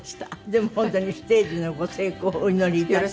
でも本当にステージのご成功をお祈り致します。